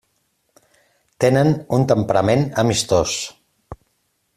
Tenen un temperament amistós.